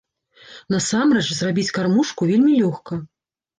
Насамрэч, зрабіць кармушку вельмі лёгка.